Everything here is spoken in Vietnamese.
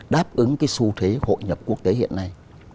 đáp ứng cái xu thế hội nhập quốc tế hiện nay